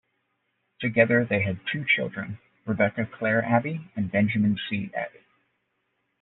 Together they had two children, Rebecca Claire Abbey and Benjamin C. Abbey.